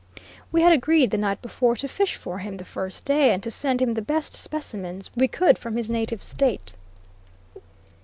We had agreed, the night before, to fish for him the first day, and to send him the best specimens we could from his native state.